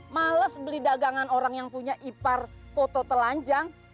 males beli dagangan orang yang punya ipar foto telanjang